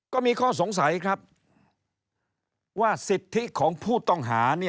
ก็มีข้อสงสัยครับว่าสิทธิของผู้ต้องหา